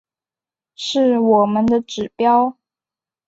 是我们的指标